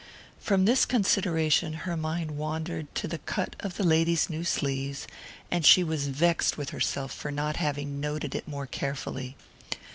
From this consideration her mind wandered to the cut of the lady's new sleeves, and she was vexed with herself for not having noted it more carefully.